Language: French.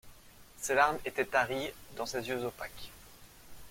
Ses larmes étaient taries dans ses yeux opaques.